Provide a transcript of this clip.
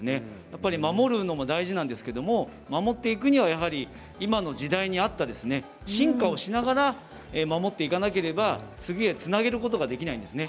守るのも大事ですが守っていくには今の時代に合った進化をしながら守っていかなければ次につなげることができないんですね。